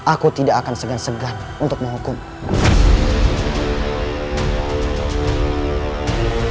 aku tidak akan segan segan untuk menghukum